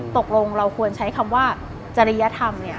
ตกลงเราควรใช้คำว่าจริยธรรมเนี่ย